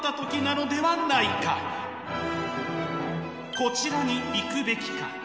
こちらに行くべきか？